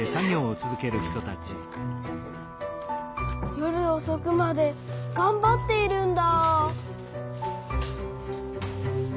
夜おそくまでがんばっているんだ。